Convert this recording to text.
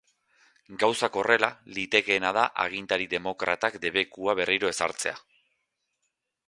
Gauzak horrela, litekeena da agintari demokratak debekua berriro ezartzea.